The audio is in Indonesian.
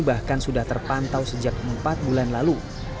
bahkan sudah terpantau sejak empat bulan lalu